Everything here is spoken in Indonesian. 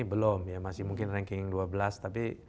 belum ya masih mungkin ranking dua belas tapi